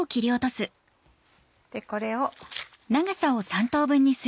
これを。